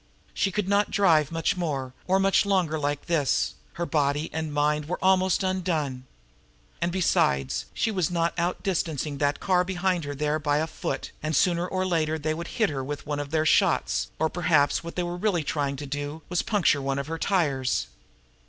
She could not drive much more, or much longer like this. Mind and body were almost undone. And, besides, she was not outdistancing that car behind there by a foot; and sooner or later they would hit her with one of their shots, or, perhaps what they were really trying to do, puncture one of her tires.